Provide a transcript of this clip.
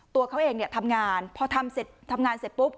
ตัวเขาเองเนี่ยทำงานพอทำเสร็จทำงานเสร็จปุ๊บ